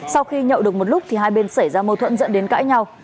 sau khi nhậu được một lúc thì hai bên xảy ra mâu thuẫn dẫn đến cãi nhau